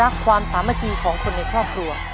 ความรักความสามารถของคนในครอบครัว